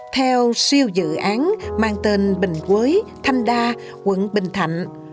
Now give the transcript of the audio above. theo siêu dự án mang tên bình quế thanh đa quận bình thạnh